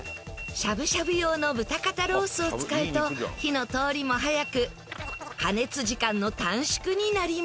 しゃぶしゃぶ用の豚肩ロースを使うと火の通りも早く加熱時間の短縮になります。